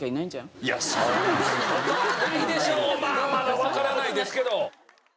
まあまだわからないですけど。